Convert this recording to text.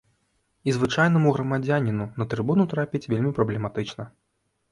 І звычайнаму грамадзяніну на трыбуну трапіць вельмі праблематычна.